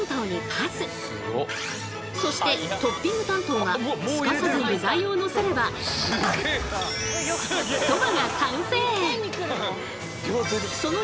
そしてトッピング担当がすかさず具材をのせればうわ